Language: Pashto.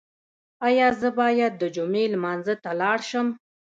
ایا زه باید د جمعې لمانځه ته لاړ شم؟